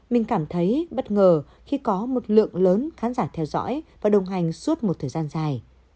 mình cảm thấy bất ngờ khi có một lượng lớn khán giả theo dõi và đồng hành suốt một thời gian dài